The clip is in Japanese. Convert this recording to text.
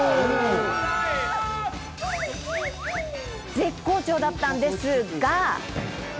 絶好調だったんですが。